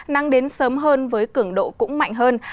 nắng đến sớm hơn với cường độ cũng mạnh hơn